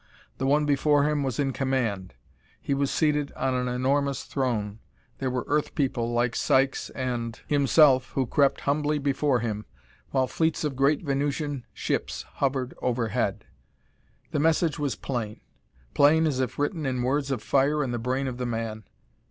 The one before him was in command; he was seated on an enormous throne; there were Earth people like Sykes and himself who crept humbly before him, while fleets of great Venusian ships hovered overhead. The message was plain plain as if written in words of fire in the brain of the man.